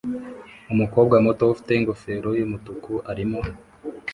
Umukobwa muto ufite ingofero yumutuku arimo